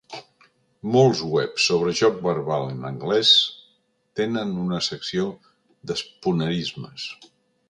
Molts webs sobre joc verbal en anglès tenen una secció d'spoonerismes.